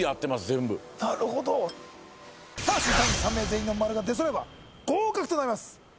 全部なるほどさあ審査員３名全員の○が出そろえば合格となります